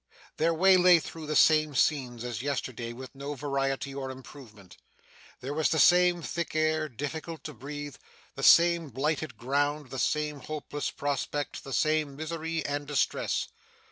Their way lay through the same scenes as yesterday, with no variety or improvement. There was the same thick air, difficult to breathe; the same blighted ground, the same hopeless prospect, the same misery and distress.